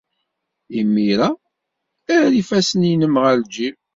Imir-a, err ifassen-nnem ɣer ljib.